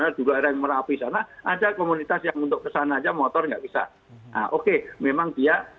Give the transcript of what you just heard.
ada juga orang merapi sana ada komunitas yang untuk kesana aja motor nggak bisa oke memang dia